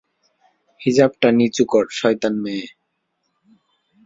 হিজাবটা নিচু কর, শয়তান মেয়ে!